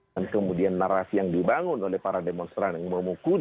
dan kemudian narasi yang dibangun oleh para demonstran yang memukul